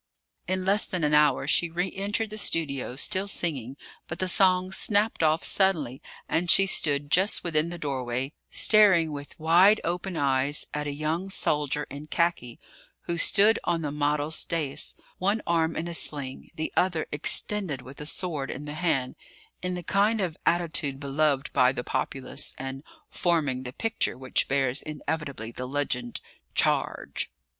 In less than an hour she re entered the studio, still singing; but the song snapped off suddenly, and she stood just within the doorway, staring with wide open eyes at a young soldier in khaki who stood on the model's dais, one arm in a sling, the other extended with a sword in the hand, in the kind of attitude beloved by the populace, and forming the picture which bears inevitably the legend, "Charge!"